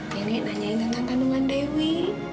nenek nanyain tentang tanungan dewi